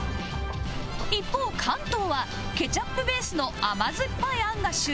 一方関東はケチャップベースの甘酸っぱい餡が主流